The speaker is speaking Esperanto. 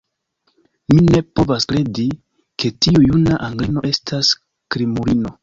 Mi ne povas kredi, ke tiu juna anglino estas krimulino.